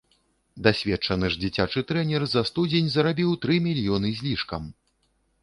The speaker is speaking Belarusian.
Дасведчаны ж дзіцячы трэнер за студзень зарабіў тры мільёны з лішкам.